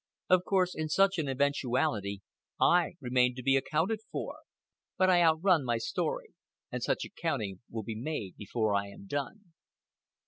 Of course, in such an eventuality, I remain to be accounted for; but I outrun my story, and such accounting will be made before I am done.